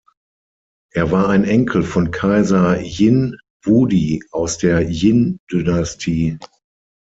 Er war ein Enkel von Kaiser Jin Wudi aus der Jin-Dynastie.